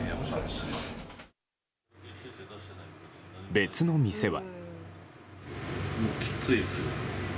別の店は。